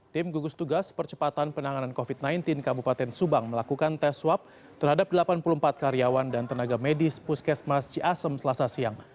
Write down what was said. tim gugus tugas percepatan penanganan covid sembilan belas kabupaten subang melakukan tes swab terhadap delapan puluh empat karyawan dan tenaga medis puskesmas ciasem selasa siang